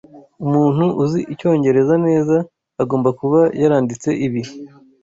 Umuntu uzi icyongereza neza agomba kuba yaranditse ibi.